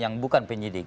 yang bukan penyidik